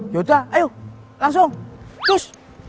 yaudah ayo langsung terus